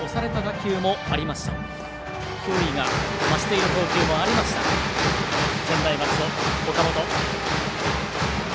球威が増している投球もありました専大松戸、岡本。